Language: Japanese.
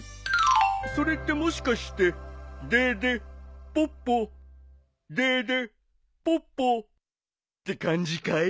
それってもしかして「デーデーポッポデーデーポッポ」って感じかい？